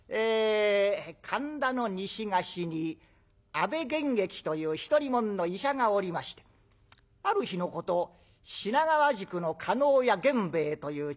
神田の西河岸に阿部玄益という独り者の医者がおりましてある日のこと品川宿の叶屋源兵衛という茶屋